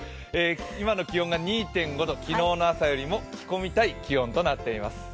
今の気温が２．５度昨日の朝よりも着込みたい気温となっています。